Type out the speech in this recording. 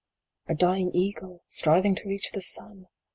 A dying eagle, striving to reach the sun